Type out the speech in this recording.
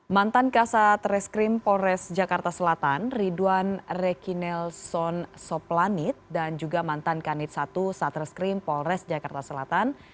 mantan kasat reskrim polres jakarta selatan ridwan rekinelson soplanit dan juga mantan kanit satu satreskrim polres jakarta selatan